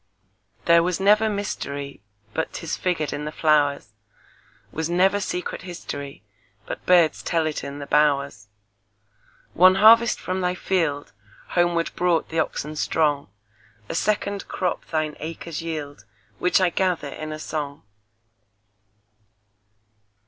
There was never mysteryBut 'tis figured in the flowers; SWas never secret historyBut birds tell it in the bowers. One harvest from thy fieldHomeward brought the oxen strong;A second crop thine acres yield, Which I gather in a song.